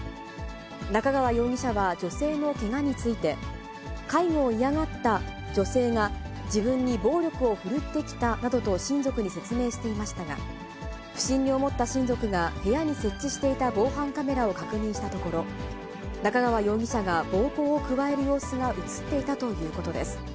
中川容疑者は女性のけがについて、介護を嫌がった女性が自分に暴力を振るってきたなどと親族に説明していましたが、不審に思った親族が部屋に設置していた防犯カメラを確認したところ、中川容疑者が暴行を加える様子が写っていたということです。